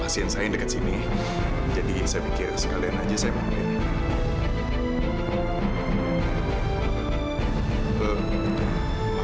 pasien saya dekat sini jadi saya pikir sekalian saja saya bangkit